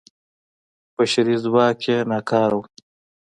بشري ځواک یې ناکاره و.